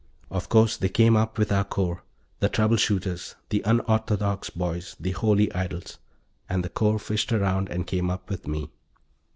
Of course they came up with our corps the troubleshooters, the unorthodox boys, the Holy Idols. And the corps fished around and came up with me.